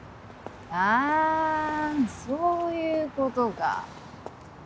あそういうことか。